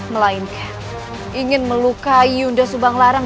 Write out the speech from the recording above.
melainkan ingin melukai yunda subanglarang